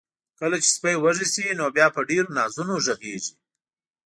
کله چې سپی وږي شي، نو بیا په ډیرو نازونو غږیږي.